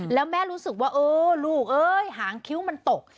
แล้วแม่รู้สึกว่าเออลูกเอ้ยหางคิ้วมันตก